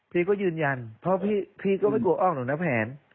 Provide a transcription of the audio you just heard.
พี่ก็ยืนยันเพราะพี่ก็ไม่กลัวอ้อมหรอกนะแผน